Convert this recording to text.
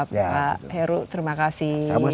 pak heru terima kasih